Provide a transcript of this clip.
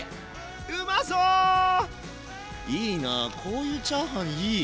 いいなこういうチャーハンいい！